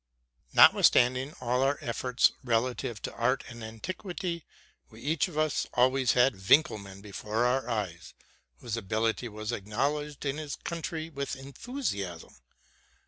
Notwithstanding all our efforts relative to art and anti quity, we each of us always had Winckelmann before our eyes, whose ability was acknowledged in his country with enthusiasm.